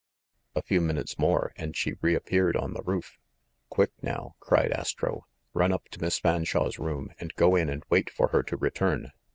A few minutes more, and she reappeared on the roof. "Quick, now !" cried Astro. "Run up to Miss Fan shawe's room and go in and wait for her to return.